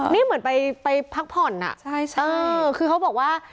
นี่เหมือนไปพักผ่อนอะคือเขาบอกว่า